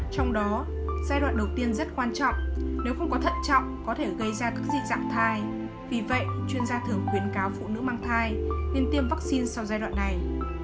trong đó giai đoạn đầu tiên rất quan trọng nếu không có thận trọng có thể gây ra các dị dạng thai vì vậy chuyên gia thường khuyến cáo phụ nữ mang thai nên tiêm vaccine sau giai đoạn này